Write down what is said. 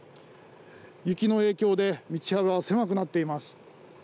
雪の影響で道幅狭くなっています。